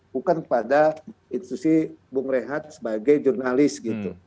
bukan kepada institusi bengrehat sebagai jurnalis gitu